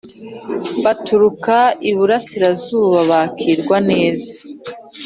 baturuka iburasirazuba bakirwa neza